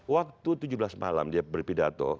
waktu tujuh belas malam dia berpidato